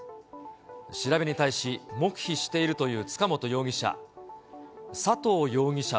調べに対し、黙秘しているという塚本容疑者。